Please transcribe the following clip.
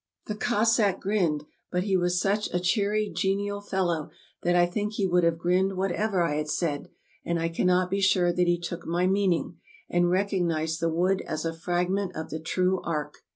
The Cossack grinned; but he was such a cheery, genial fellow that I think he would have grinned whatever I had said, and I cannot be sure that he took my meaning, and recognized the wood as a fragment of the true Ark.